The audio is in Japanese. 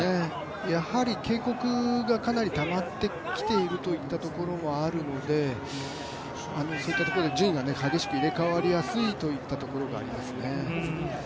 やはり警告がかなりたまってきているといったところもあるのでそういったところで順位が激しく入れ代わりやすいところがあります。